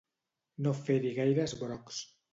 No fer-hi gaires brocs.